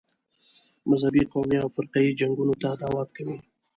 مذهبي، قومي او فرقه یي جنګونو ته دعوت کوي.